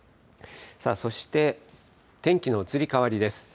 そして天気の移り変わりです。